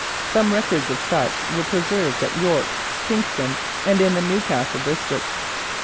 Some records of such were preserved at York, Kingston, and in the Newcastle district.